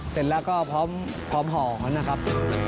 เสร็จแล้วก็พร้อมหอมนะครับ